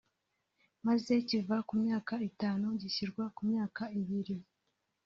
maze kiva ku myaka itanu gishyirwa ku myaka ibiri